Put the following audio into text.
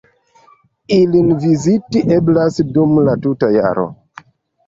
Ilin viziti eblas dum la tuta jaro.